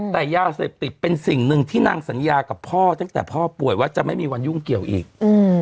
แต่ยาเสพติดเป็นสิ่งหนึ่งที่นางสัญญากับพ่อตั้งแต่พ่อป่วยว่าจะไม่มีวันยุ่งเกี่ยวอีก